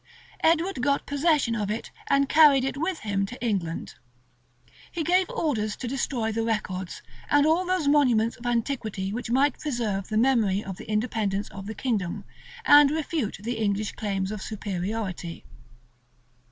Edward got possession of it, and carried it with him to England.[*] He gave orders to destroy the records, and all those monuments of antiquity which might preserve the memory of the independence of the kingdom, and refute the English claims of superiority.